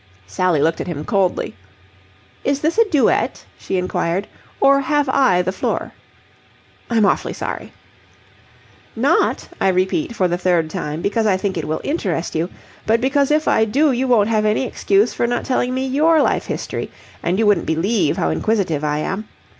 Sally looked at him coldly. "Is this a duet?" she inquired, "or have I the floor?" "I'm awfully sorry." "Not, I repeat for the third time, because I think It will interest you, but because if I do you won't have any excuse for not telling me your life history, and you wouldn't believe how inquisitive I am.